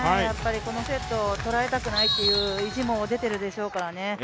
このセットを取られたくないという意地も出てるでしょうからね。